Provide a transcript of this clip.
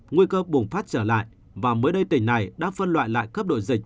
nguy cơ bùng phát trở lại và mới đây tỉnh này đã phân loại lại cấp đổi dịch